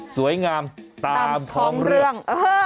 สวยงามตามท้องเรื่อง